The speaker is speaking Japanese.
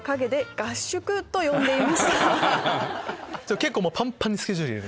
結構パンパンにスケジュール。